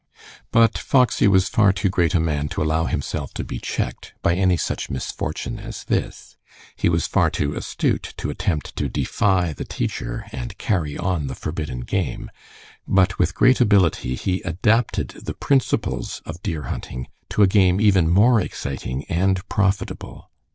But Foxy was far too great a man to allow himself to be checked by any such misfortune as this. He was far too astute to attempt to defy the teacher and carry on the forbidden game, but with great ability he adapted the principles of deer hunting to a game even more exciting and profitable.